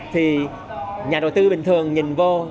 thì nhà đầu tư bình thường nhìn vô